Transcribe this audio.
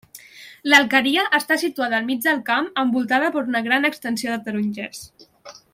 L'alqueria està situada al mig del camp, envoltada per una gran extensió de tarongers.